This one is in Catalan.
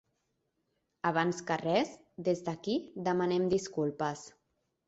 Abans que res, des d'aquí demanem disculpes.